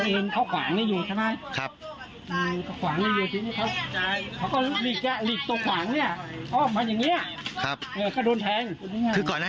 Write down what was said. โอ้ยแล้วลงมาจะเร็ว